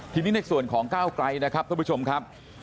ทีนี้ในส่วนของก้าวไกลนะครับท่านผู้ชมครับ